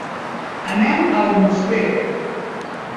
Anem a Almoster.